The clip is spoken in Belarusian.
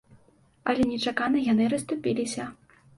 Але нечакана яны расступіліся.